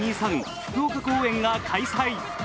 福岡公演が開催。